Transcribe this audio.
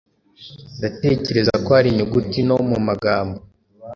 "Ndatekereza ko hari inyuguti nto mu magambo